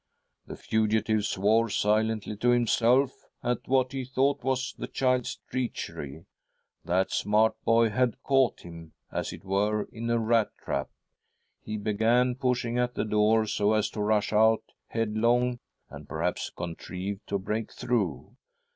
" The fugitive swore silently to himself at what he thought was the child's treachery. That smart boy had caught him, as it were, in a rat trap. He began pushing at the door, so as to rush out head long and, perhaps, contrive to break thrbugh.